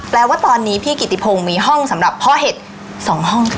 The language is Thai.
แปลว่าตอนนี้พี่กิติพงศ์มีห้องสำหรับพ่อเห็ด๒ห้องค่ะ